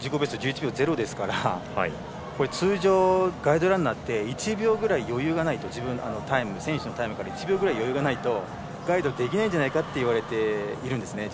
１１秒１１ですから通常ガイドランナーって選手のタイムから１秒くらい余裕がないとガイドできないんじゃないかといわれているんですね。